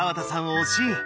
惜しい！